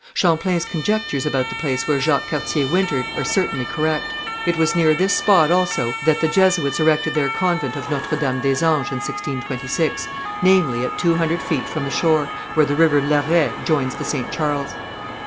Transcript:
Champlain's conjectures about the place where Jacques Cartier wintered, are certainly correct. It was near this spot also that the Jesuits erected their convent of Notre Dame des Anges in 1626, namely, at two hundred feet from the shore, where the river Lairet joins the St. Charles.